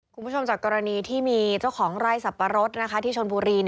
คุณผู้ชมจากกรณีที่มีเจ้าของไร่สับปะรดที่ชนบุรี